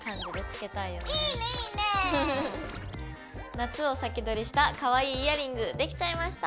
夏を先取りしたかわいいイヤリングできちゃいました！